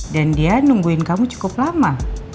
dan dia nungguin kamu cukup lama